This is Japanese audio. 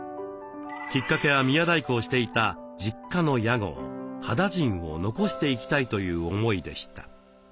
きっかけは宮大工をしていた実家の屋号「羽田甚」を残していきたいという思いでした。